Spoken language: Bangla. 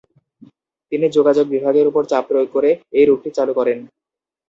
তিনি যোগাযোগ বিভাগের উপর চাপ প্রয়োগ করে এই রুটটি চালু করেন।